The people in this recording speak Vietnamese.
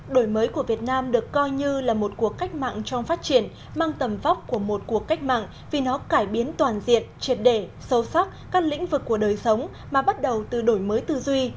đổi mới của việt nam được coi như là một cuộc cách mạng trong phát triển mang tầm vóc của một cuộc cách mạng vì nó cải biến toàn diện triệt đề sâu sắc các lĩnh vực của đời sống mà bắt đầu từ đổi mới tư duy